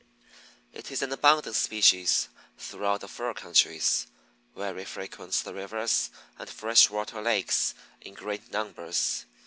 It is an abundant species throughout the fur countries, where it frequents the rivers and fresh water lakes in great numbers.